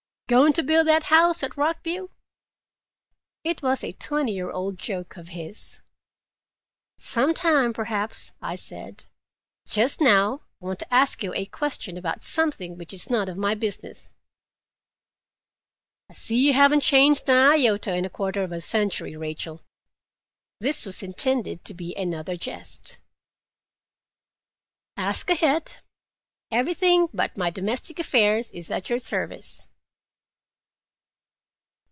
"Going to build that house at Rock View?" It was a twenty year old joke of his. "Sometime, perhaps," I said. "Just now I want to ask you a question about something which is none of my business." "I see you haven't changed an iota in a quarter of a century, Rachel." This was intended to be another jest. "Ask ahead: everything but my domestic affairs is at your service."